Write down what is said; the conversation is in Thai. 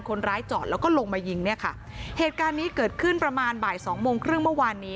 คนร้ายจอดแล้วก็ลงมายิงเนี่ยค่ะเหตุการณ์นี้เกิดขึ้นประมาณบ่ายสองโมงครึ่งเมื่อวานนี้